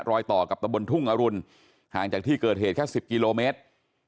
รอยต่อกับตะบนทุ่งอรุณห่างจากที่เกิดเหตุแค่๑๐กิโลเมตร